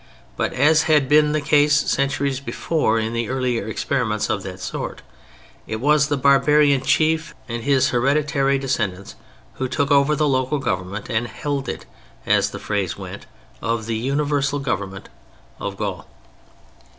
But, as had been the case centuries before in the earlier experiments of that sort, it was the barbarian chief and his hereditary descendants who took over the local government and "held it," as the phrase went, of the universal government of Gaul.